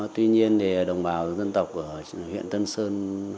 tuy nhiên thì đồng bào dân tộc ở huyện tân sơn